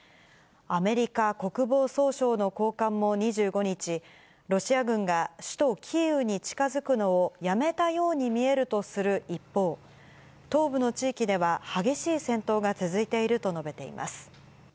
アメリカ国防総省の高官も２５日、ロシア軍が首都キーウに近づくのをやめたように見えるとする一方、東部の地域では激しい戦闘が続いていると述べています。